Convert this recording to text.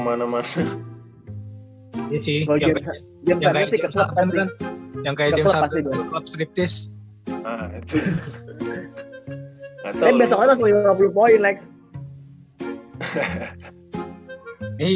tapi besoknya harus lima puluh poin next